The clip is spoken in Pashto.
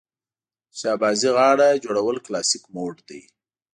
شهبازي غاړه جوړول کلاسیک موډ دی.